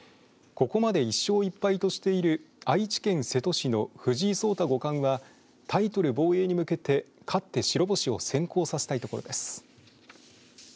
ここまで１勝１敗としている愛知県瀬戸市の藤井聡太五冠はタイトル防衛に向けて勝って白星を先行させたいところです。